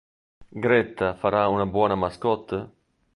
Gretta farà una buona mascotte?